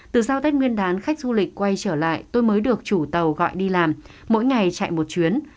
từ sau tết nguyên đán khách du lịch quay trở lại tôi mới được chủ tàu gọi đi làm mỗi ngày chạy một chuyến